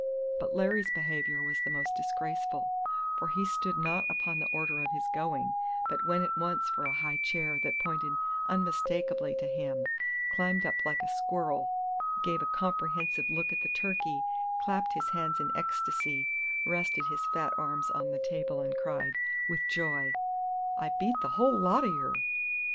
But Larry's behavior was the most disgraceful, for he stood not upon the order of his going, but went at once for a high chair that pointed unmistakably to him, climbed up like a squirrel, gave a comprehensive look at the turkey, clapped his hands in ecstacy, rested his fat arms on the table, and cried, with joy, "I beat the hull lot o' yer!"